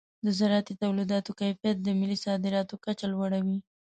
د زراعتي تولیداتو کیفیت د ملي صادراتو کچه لوړوي.